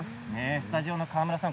スタジオの川村さん